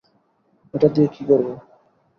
এটা দিয়ে কি করবো?